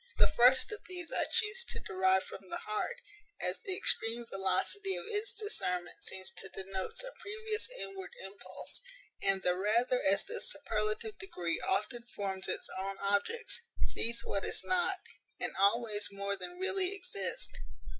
The first of these I chuse to derive from the heart, as the extreme velocity of its discernment seems to denote some previous inward impulse, and the rather as this superlative degree often forms its own objects; sees what is not, and always more than really exists.